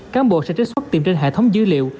các bộ sẽ trích xuất tiệm trên hệ thống dữ liệu